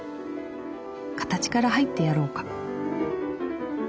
形から入ってやろうか」。